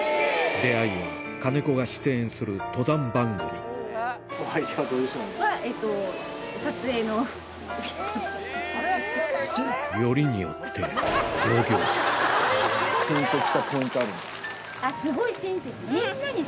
出会いは金子が出演する登山番組えぇ！よりによって小谷はゴクっ！